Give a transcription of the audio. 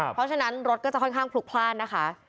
เพราะฉะนั้นรถก็จะค่อนข้างพลุกพลาดนะคะ